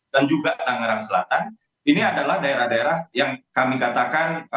dan juga tangerang selatan ini adalah daerah daerah yang kami katakan